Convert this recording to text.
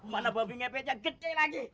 mana babi ngepetnya gede lagi